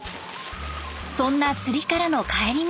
そんな釣りからの帰り道。